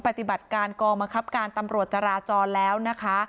ปฏิบัติการกองบังคับการตำรวจจราจรแล้วนะคะ